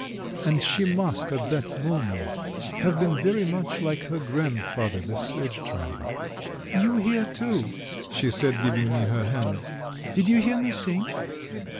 And she must at that moment have been very much like her grandfather the sledge driver. "You here too?" she said, giving me her hand. "Did you hear me sing?